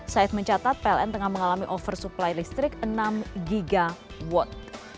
said mencatat pln tengah mengalami oversupply listrik enam gb